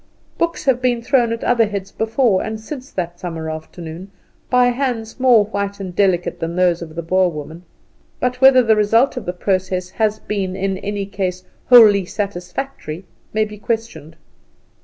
Books have been thrown at other heads before and since that summer afternoon, by hands more white and delicate than those of the Boer woman; but whether the result of the process has been in any case wholly satisfactory, may be questioned.